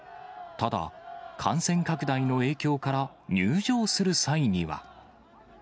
ただ、感染拡大の影響から入場する際には。